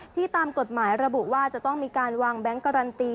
ตามกฎหมายระบุว่าจะต้องมีการวางแบงค์การันตี